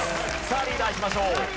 さあリーダーいきましょう。